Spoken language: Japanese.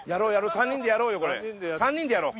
３人でやろうよこれ３人でやろう。